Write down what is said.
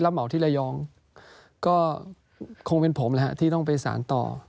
เหมาที่ระยองก็คงเป็นผมแหละฮะที่ต้องไปสารต่อ